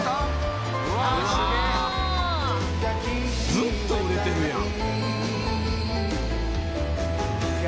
ずっと売れてるやん。